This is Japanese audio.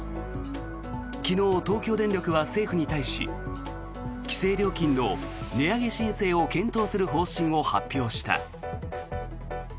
昨日、東京電力は政府に対し規制料金の値上げ申請を検討する方針を発表した。